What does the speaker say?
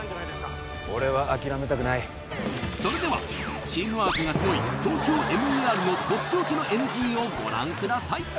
俺は諦めたくないそれではチームワークがすごい「ＴＯＫＹＯＭＥＲ」のとっておきのＮＧをご覧ください